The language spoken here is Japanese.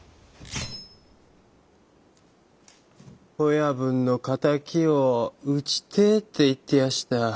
「親分の仇を討ちてえ」って言ってやした。